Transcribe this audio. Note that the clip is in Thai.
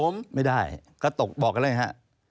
ไม่ได้ก็บอกเลยฮะ